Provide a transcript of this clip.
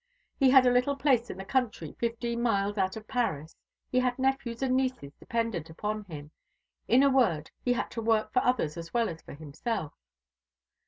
He had a little place in the country, fifteen miles out of Paris; he had nephews and nieces dependent upon him; in a word, he had to work for others as well as for himself.